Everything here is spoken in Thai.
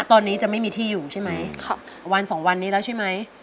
ตอนนี้จะไม่มีที่อยู่ใช่ไหมวันสองวันนี้แล้วใช่ไหม